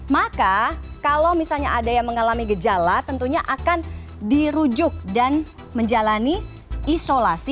maka kalau misalnya ada yang mengalami gejala tentunya akan dirujuk dan menjalani isolasi